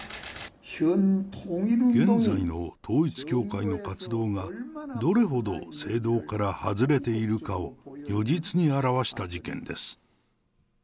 現在の統一教会の活動が、どれほど正道から外れているかを如実に表した事件です。